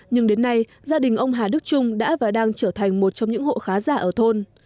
nhưng đến nay gia đình ông hà đức trung đã và đang trở thành một trong những hộ khá giả ở thôn